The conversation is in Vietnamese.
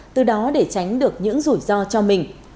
từ đó để tránh được những rủi ro cho mình